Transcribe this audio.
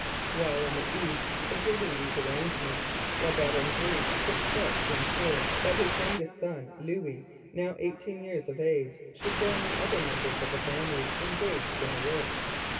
While in the East completing these arrangements, La Vérendrye took steps to ensure that his youngest son, Louis, now eighteen years of age, should join the other members of the family engaged in the work.